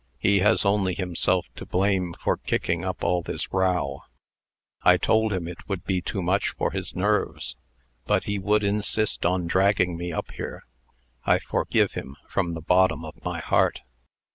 He has only himself to blame for kicking up all this row. I told him it would be too much for his nerves; but he would insist on dragging me up here. I forgive him from the bottom of my heart."